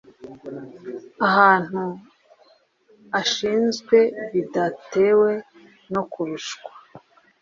ahantu ashinzwe bidatewe no kurushwa